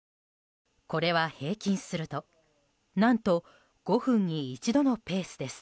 これは平均すると何と５分に１度のペースです。